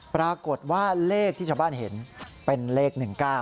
ปรากฏว่าเลขที่ชาวบ้านเห็นเป็นเลข๑๙